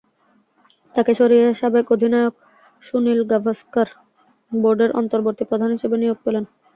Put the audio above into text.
তাঁকে সরিয়ে সাবেক অধিনায়ক সুনীল গাভাস্কার বোর্ডের অন্তর্বর্তী প্রধান হিসেবে নিয়োগ পেলেন।